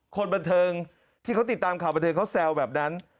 คนบันเทิงที่เขาติดตามข่าวบันเทิงเขาแซวแบบนั้น